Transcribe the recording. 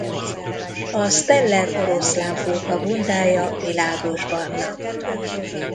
A Steller-oroszlánfóka bundája világosbarna.